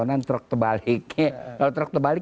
kanan kanan truk terbaliknya kalau truk terbalik